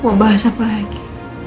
mau bahas apa lagi